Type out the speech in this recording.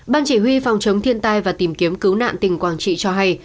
ban chỉ huy phòng chống thiên tai và tìm kiếm cứu nạn tỉnh quảng trị cho hay